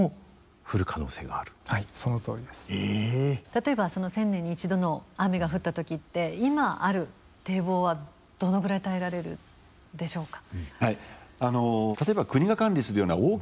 例えばその１０００年に１度の雨が降った時って今ある堤防はどのぐらい耐えられるんでしょうか。